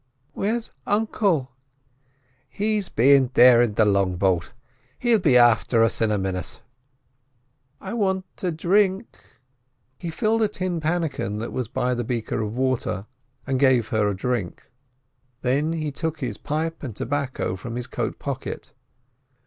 "Where's uncle?" "He's beyant there in the long boat—he'll be afther us in a minit." "I want a drink." He filled a tin pannikin that was by the beaker of water, and gave her a drink. Then he took his pipe and tobacco from his coat pocket.